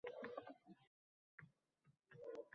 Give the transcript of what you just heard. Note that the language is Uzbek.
Indamay eb-ichib o`tiraver